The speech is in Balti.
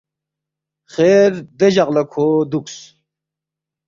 “ خیر دے جق لہ کھو دُوکس